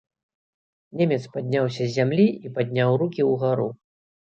Немец падняўся з зямлі і падняў рукі ўгару.